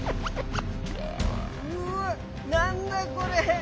うわなんだこれ？